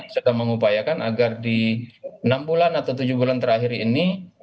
sudah mengupayakan agar di enam bulan atau tujuh bulan terakhir ini